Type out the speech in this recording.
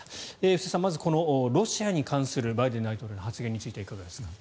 布施さん、まずロシアに関するバイデン大統領の発言についていかがですか？